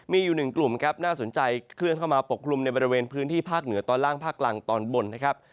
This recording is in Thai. มีอยู่หนึ่งกลุ่มครับน่าสนใจเคลื่อนเข้ามาปกกลุ่มในบริเวณพื้นที่ภาคเหนือตอนล่างภาคกลางตอนบนนะครับ